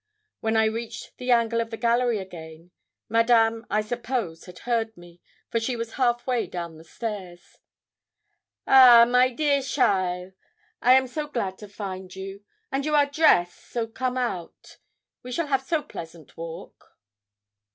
When I reached the angle of the gallery again. Madame, I suppose, had heard me, for she was half way down the stairs. 'Ah, my dear Cheaile, I am so glad to find you, and you are dress to come out. We shall have so pleasant walk.'